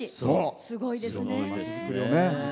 すごいですね。